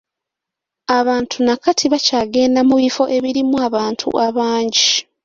Abantu na kati bakyagenda mu bifo ebirimu abantu abangi.